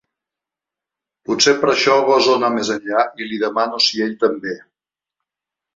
Potser per això goso anar més enllà i li demano si ell també.